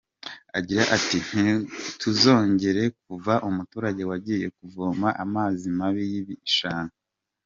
Agira ati “Ntituzongere kuva umuturage wagiye kuvoma amazi mabi y’ibishanga.